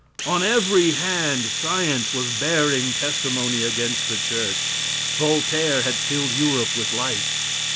On every hand science was bearing testimony against the church. Voltaire had filled Europe with light.